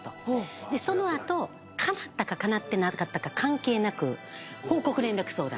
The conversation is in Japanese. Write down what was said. その後かなったかかなってなかったか関係なく報告連絡相談。